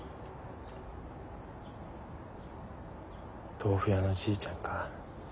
豆腐屋のじいちゃんか。